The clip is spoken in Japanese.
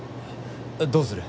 どうする？